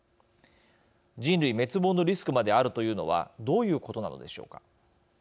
人類滅亡のリスクまであるというのはどういうことなのでしょうか。